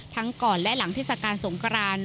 ทั้งก่อนและหลังทศการสงคราน